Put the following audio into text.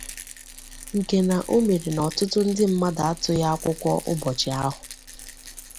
nke na o mere na ọtụtụ ndị mmadụ atụghị akwụkwọ ụbọchị ahụ